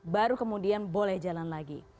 baru kemudian boleh jalan lagi